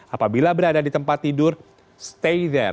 apabila berada di tempat tidur stay that